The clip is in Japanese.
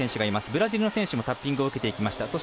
ブラジルの選手もタッピングを受けていきました。